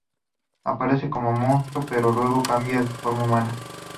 Aparece como un monstruo, pero luego cambia a una forma humana.